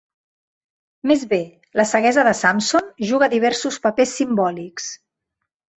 Més bé, la ceguesa de Samson juga diversos papers simbòlics.